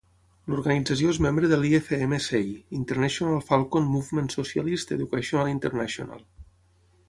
L'organització és membre de l'IFM-SEI (International Falcon Movement-Socialist Educational International).